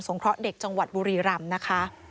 สงครองเด็กจังหวัดบุรีรำ